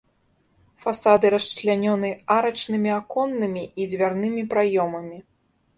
Фасады расчлянёны арачнымі аконнымі і дзвярнымі праёмамі.